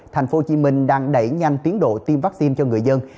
tp hcm đang đẩy nhanh tiến độ tiêm vaccine cho người dân